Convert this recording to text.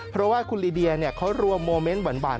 เพราะว่าคุณลิเดียเนี่ยเขารวมโมเมนต์บ่าน